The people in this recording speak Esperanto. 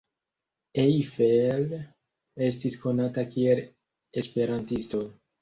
Eiffel estis konata kiel esperantisto.